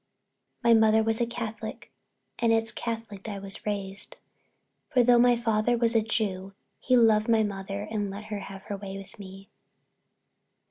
My mother was a Catholic and it's Catholic I was raised, for though my father was a Jew he loved my mother and let her have her way with me.